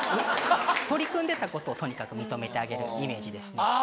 取り組んでたことをとにかく認めてあげるイメージですね。